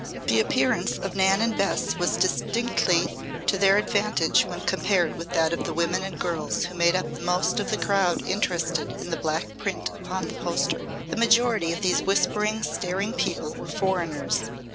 The appearance of Nan and Bess was distinctly to their advantage when compared with that of the women and girls who made up the most of the crowd interested in the black print upon the poster. The majority of these whispering, staring people were foreigners.